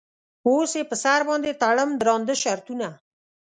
اوس یې په سر باندې تړم درانده شرطونه.